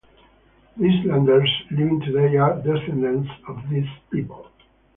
The islanders living today are descendants of these people.